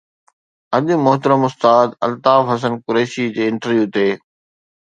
اڄ محترم استاد الطاف حسن قريشي جي انٽرويو تي